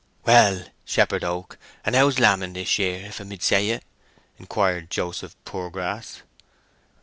"Well, Shepherd Oak, and how's lambing this year, if I mid say it?" inquired Joseph Poorgrass.